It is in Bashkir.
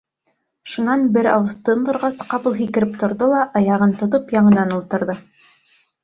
Шунан бер ауыҙ тын торғас, ҡапыл һикереп торҙо ла, аяғын тотоп, яңынан ултырҙы.